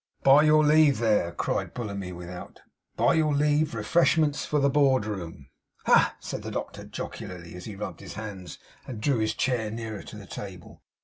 'By your leave there!' cried Bullamy, without. 'By your leave! Refreshment for the Board room!' 'Ha!' said the doctor, jocularly, as he rubbed his hands, and drew his chair nearer to the table.